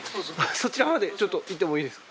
そちらまで行ってもいいですか？